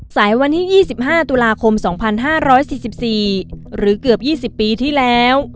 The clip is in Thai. วันที่๒๕ตุลาคม๒๕๔๔หรือเกือบ๒๐ปีที่แล้ว